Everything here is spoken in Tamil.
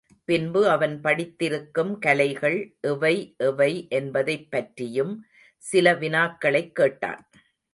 பின்பு அவன் படித்திருக்கும் கலைகள் எவை எவை என்பதைப் பற்றியும் சில வினாக்களைக் கேட்டான்.